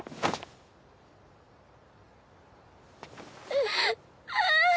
うぅああ。